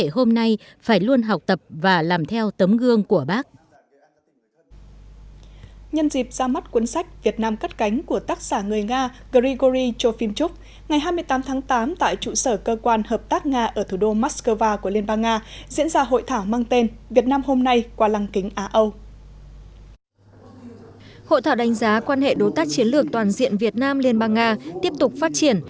hội thảo đánh giá quan hệ đối tác chiến lược toàn diện việt nam liên bang nga tiếp tục phát triển